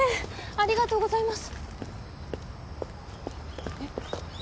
ありがとうございますえっ？